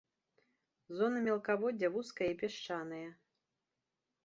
Зона мелкаводдзя вузкая і пясчанае.